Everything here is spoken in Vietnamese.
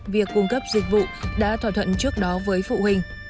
việc cung cấp dịch vụ đã thỏa thuận trước đó với phụ huynh